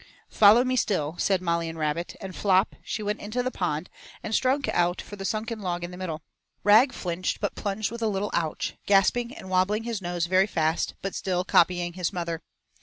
"Follow me still," said Molly, in rabbit, and 'flop' she went into the pond and struck out for the sunken log in the middle. Rag flinched but plunged with a little 'ouch,' gasping and wobbling his nose very fast but still copying his mother.